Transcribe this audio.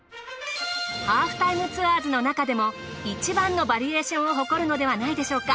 『ハーフタイムツアーズ』のなかでもいちばんのバリエーションを誇るのではないでしょうか。